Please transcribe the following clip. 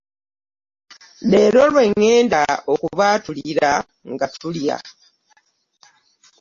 Leero lwe ŋŋenda okubaatulira nga tulya.